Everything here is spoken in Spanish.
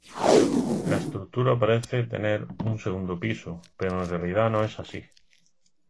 La estructura parece tener un segundo piso, pero en realidad no es así.